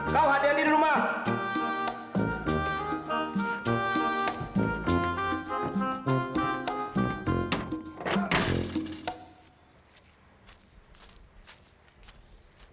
kau hati hati di rumah